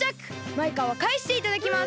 マイカはかえしていただきます！